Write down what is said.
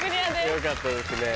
よかったですね。